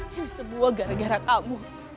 ini semua gara gara kamu